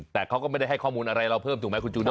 แต่เขาก็ไม่ได้ให้ข้อมูลอะไรเราเพิ่มถูกไหมคุณจูโ